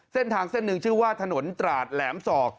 เส้นทางเส้นหนึ่งชื่อว่าถนนตราดแหลมศอก